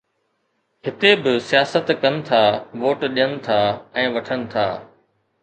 هتي به سياست ڪن ٿا، ووٽ ڏين ٿا ۽ وٺن ٿا